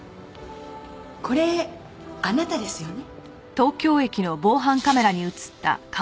これあなたですよね？